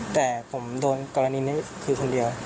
แต่ผมโดนกรณีนี้คือคนเดียว